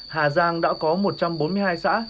hà giang đã có một trăm bốn mươi hai xã